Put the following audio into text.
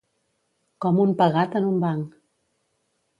Com un pegat en un banc.